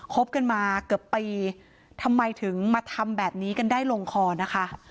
คบกันมาเกือบปีทำไมถึงมาทำแบบนี้กันได้ลงคอนะคะ